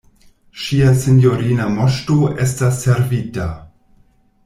Ŝia sinjorina Moŝto estas servita!